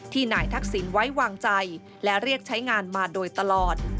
นายทักษิณไว้วางใจและเรียกใช้งานมาโดยตลอด